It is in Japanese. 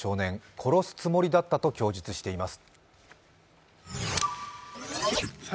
殺すつもりだったと供述しています。